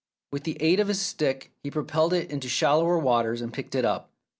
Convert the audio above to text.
With the aid of his stick he propelled it into shal lower waters and picked it up.